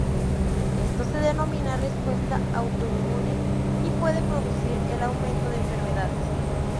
Esto se denomina respuesta autoinmune y puede producir el aumento de enfermedades.